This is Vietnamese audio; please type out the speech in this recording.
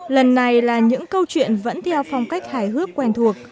lần này là những câu chuyện vẫn theo phong cách hài hước quen thuộc